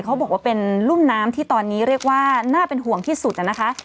เขาบอกว่าเป็นรุ่มน้ำที่ตอนนี้เรียกว่าน่าเป็นห่วงที่สุดนะคะ